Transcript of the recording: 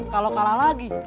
kalau kalah lagi